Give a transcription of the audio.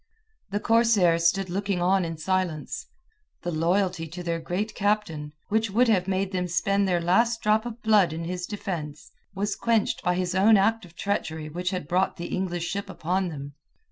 The corsairs stood looking on in silence; the loyalty to their great captain, which would have made them spend their last drop of blood in his defence, was quenched by his own act of treachery which had brought the English ship upon them.